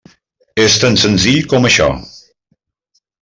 És tan senzill com això.